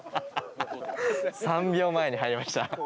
３秒前に入りました。